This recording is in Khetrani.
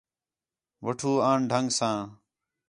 وٹّھو آن ڈھنگ ساں